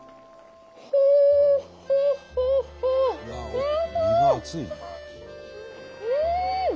うん！